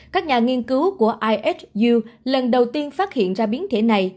các nhà nghiên cứu của ihu lần đầu tiên phát hiện ra biến thể này